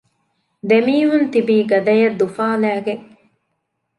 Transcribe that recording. ދެމީހުން ތިބީ ގަދައަށް ދުފާލައިގެން